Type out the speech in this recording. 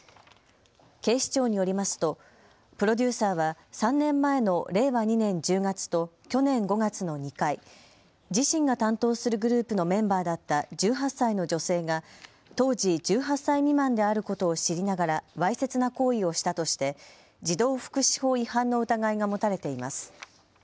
警視庁によりますとプロデューサーは３年前の令和２年１０月と去年５月の２回、自身が担当するグループのメンバーだった１８歳の女性が当時１８歳未満であることを知りながらわいせつな行為をしたとして児童福祉法違反の疑いが持たれています。